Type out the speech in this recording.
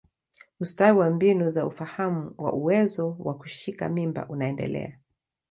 Ustawi wa mbinu za ufahamu wa uwezo wa kushika mimba unaendelea.